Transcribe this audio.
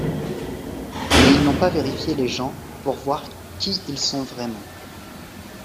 Mais ils n'ont pas vérifié les gens pour voir qui ils sont vraiment.